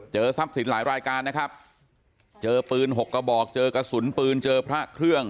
ทรัพย์สินหลายรายการนะครับเจอปืนหกกระบอกเจอกระสุนปืนเจอพระเครื่อง